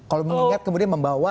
kalau mengingat kemudian membawa